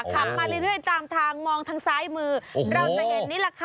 ขับมาเรื่อยตามทางมองทางซ้ายมือเราจะเห็นนี่แหละค่ะ